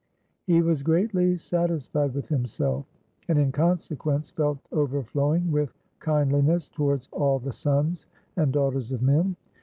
He was greatly satisfied with himself, and, in consequence, felt overflowing with kindliness towards all the sons and daughters of men.